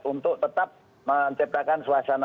untuk tetap menciptakan suasana